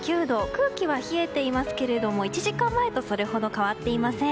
空気は冷えていますけれども１時間前とそれほど変わっていません。